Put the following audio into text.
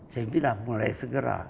saya bilang mulai segera